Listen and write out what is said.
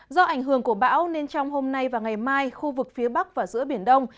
do ảnh hưởng của bão nên trong hôm nay và ngày mai khu vực phía bắc và giữa biển đông